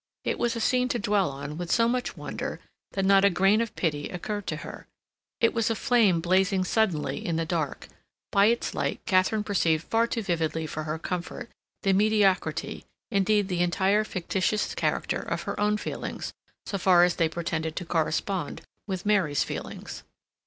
It was a scene to dwell on with so much wonder that not a grain of pity occurred to her; it was a flame blazing suddenly in the dark; by its light Katharine perceived far too vividly for her comfort the mediocrity, indeed the entirely fictitious character of her own feelings so far as they pretended to correspond with Mary's feelings.